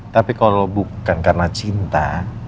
tapi kalau bukan karena cinta